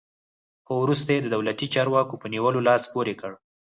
خو وروسته یې د دولتي چارواکو په نیولو لاس پورې کړ.